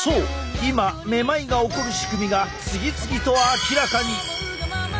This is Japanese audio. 今めまいが起こる仕組みが次々と明らかに！